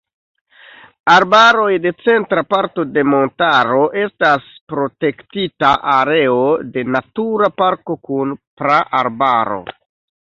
Arbaroj de centra parto de montaro estas protektita areo de Natura parko kun praarbaro.